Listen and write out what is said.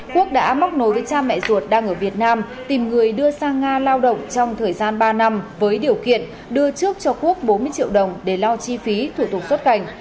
quốc đã móc nối với cha mẹ ruột đang ở việt nam tìm người đưa sang nga lao động trong thời gian ba năm với điều kiện đưa trước cho quốc bốn mươi triệu đồng để lo chi phí thủ tục xuất cảnh